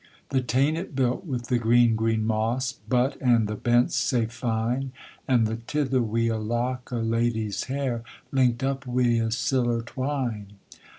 The tane it built with the green, green moss, But and the bents sae fine, And the tither wi' a lock o' lady's hair Linked up wi' siller twine.